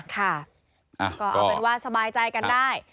ค่ะก็เอาเป็นว่าสบายใจกันได้